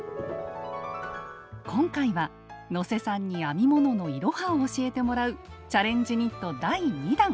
今回は能勢さんに編み物の「いろは」を教えてもらうチャレンジニット第２弾！